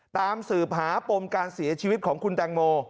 ตามสืบหาปมการเสียชีวิตของคุณแตงโม